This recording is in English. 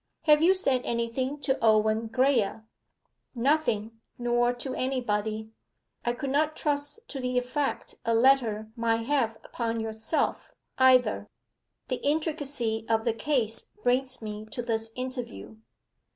Have you said anything to Owen Graye?' 'Nothing nor to anybody. I could not trust to the effect a letter might have upon yourself, either; the intricacy of the case brings me to this interview.